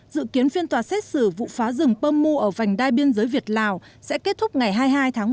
dự kiến phiên tòa xét xử vụ phá rừng pom mu ở vành đai biên giới việt lào sẽ kết thúc ngày hai mươi hai tháng một năm hai nghìn một mươi tám